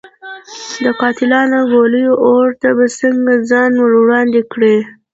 د قاتلانو د ګولیو اور ته به څنګه ځان ور وړاندې کړي.